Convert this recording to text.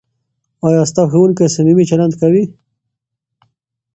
ایا ستا ښوونکی صمیمي چلند کوي؟